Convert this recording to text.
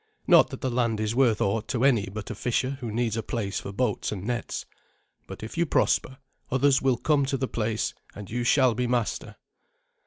Not that the land is worth aught to any but a fisher who needs a place for boats and nets; but if you prosper, others will come to the place, and you shall be master."